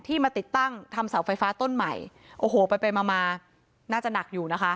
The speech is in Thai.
มาติดตั้งทำเสาไฟฟ้าต้นใหม่โอ้โหไปไปมามาน่าจะหนักอยู่นะคะ